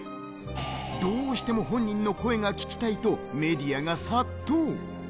どうしても本人の声が聞きたいとメディアが殺到。